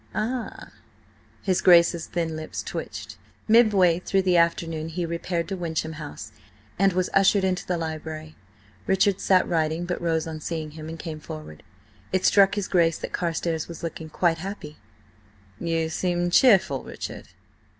"Ah?" His Grace's thin lips twitched. Midway through the afternoon he repaired to Wyncham House and was ushered into the library. Richard sat writing, but rose on seeing him, and came forward. It struck his Grace that Carstares was looking quite happy. "You seem cheerful, Richard!"